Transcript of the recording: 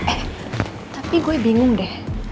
eh tapi gue bingung deh